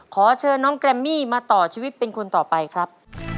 ขอเชิญน้องแกรมมี่มาต่อชีวิตเป็นคนต่อไปครับ